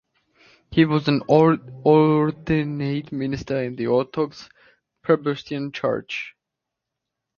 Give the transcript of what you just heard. He was an ordained minister in the Orthodox Presbyterian Church.